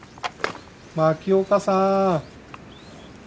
牧岡さん。